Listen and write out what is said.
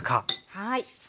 はい。